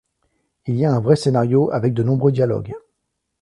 Il y a un vrai scénario avec de nombreux dialogues.